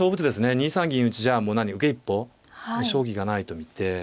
２三銀打ちじゃもう受け一方勝機がないと見て。